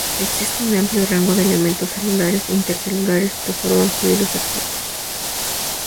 Existe un amplio rango de elementos celulares e intracelulares que forman fluidos activos.